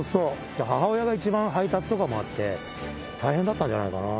母親が一番、配達とかもあって、大変だったんじゃないかな。